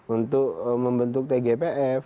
untuk membentuk tgpf